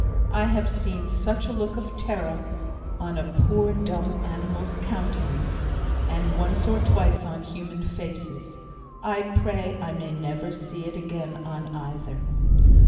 I have seen such a look of terror on a poor dumb animal's countenance, and once or twice on human faces. I pray I may never see it again on either!